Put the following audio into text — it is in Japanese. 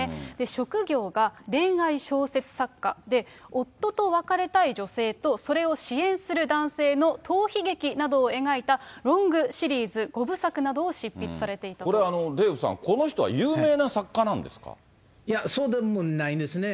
職業が恋愛小説作家で、夫と別れたい女性と、それを支援する男性の逃避劇などを描いたロングシリーズ５部作なこれ、デーブさん、この人は有名な作家ないや、そうでもないんですね。